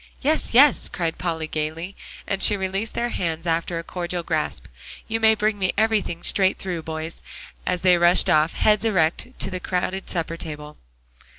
"Yes, yes," cried Polly gaily, and she released their hands after a cordial grasp. "You may bring me everything straight through, boys," as they rushed off, heads erect, to the crowded supper table.